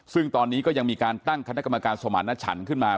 ซึ่งตอนนี้ก็ยังมีการตั้งคณะกรรมการสมารณชันขึ้นมา